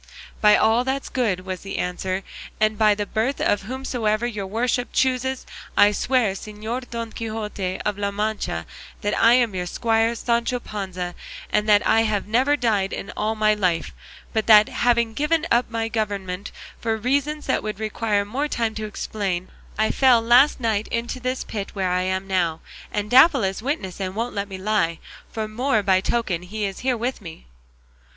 "By all that's good," was the answer, "and by the birth of whomsoever your worship chooses, I swear, Señor Don Quixote of La Mancha, that I am your squire Sancho Panza, and that I have never died all my life; but that, having given up my government for reasons that would require more time to explain, I fell last night into this pit where I am now, and Dapple is witness and won't let me lie, for more by token he is here with me."